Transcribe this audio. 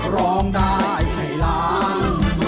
ร้องได้ให้ล้าน